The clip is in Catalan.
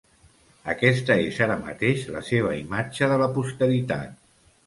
Aquesta és, ara mateix, la seva imatge de la posteritat.